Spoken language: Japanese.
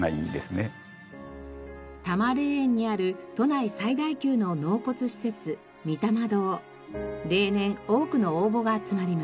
多磨霊園にある都内最大級の納骨施設例年多くの応募が集まります。